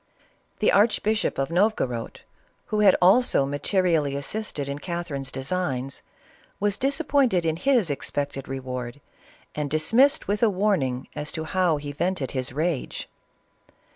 The archbishop of Novogorod, who had also materi ally assisted in Catherine's designs, was disappointed in his expected reward, and dismissed with a warning as to how he vented his rage.